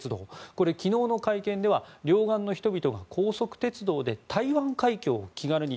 これは昨日の会見では両岸の人々が高速鉄道で台湾海峡を気軽に。